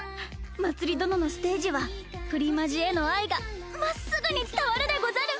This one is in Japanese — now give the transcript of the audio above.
まつり殿のステージはプリマジへの愛がまっすぐに伝わるでござる！